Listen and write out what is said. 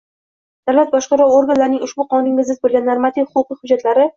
davlat boshqaruvi organlarining ushbu Qonunga zid bo‘lgan o‘z normativ-huquqiy hujjatlari